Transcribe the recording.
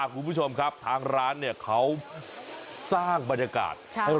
คุณผู้ชมครับทางร้านเนี่ยเขาสร้างบรรยากาศ